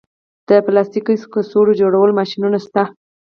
د پلاستیک کڅوړو جوړولو ماشینونه شته